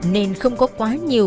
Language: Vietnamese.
nên không có quá nhiều